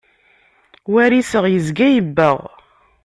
War iseɣ, yezga yebbeɣ.